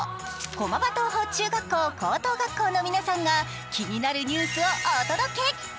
駒場東邦中学校・高等学校の皆さんが気になるニュースをお届け。